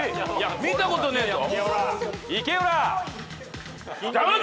見たことねえぞ。